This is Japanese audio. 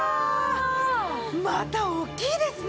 また大きいですね！